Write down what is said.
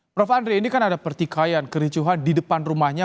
prof andre ini kan ada pertikaian kericuhan di depan rumahnya